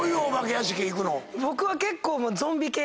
僕は結構。